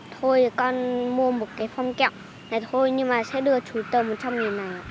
thôi con mua một cái phong kẹo này thôi nhưng mà sẽ đưa chú tờ một trăm linh này